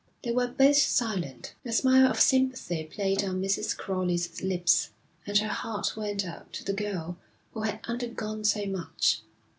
They were both silent. A smile of sympathy played on Mrs. Crowley's lips, and her heart went out to the girl who had undergone so much.